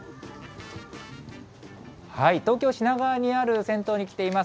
東京・品川にある銭湯に来ています。